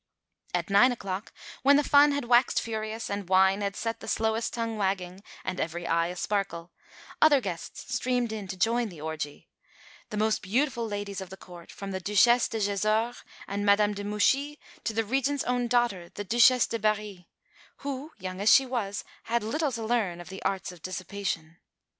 At nine o'clock, when the fun had waxed furious and wine had set the slowest tongue wagging and every eye a sparkle, other guests streamed in to join the orgy the most beautiful ladies of the Court, from the Duchesse de Gesores and Madame de Mouchy to the Regent's own daughter, the Duchesse de Berry, who, young as she was, had little to learn of the arts of dissipation.